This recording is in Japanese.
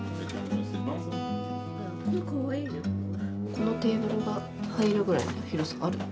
このテーブルが入るぐらいの広さはあるの？